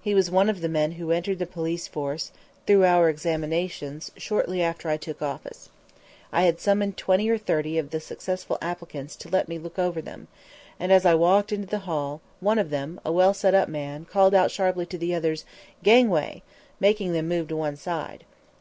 He was one of the men who entered the police force through our examinations shortly after I took office. I had summoned twenty or thirty of the successful applicants to let me look over them; and as I walked into the hall, one of them, a well set up man, called out sharply to the others, "Gangway," making them move to one side.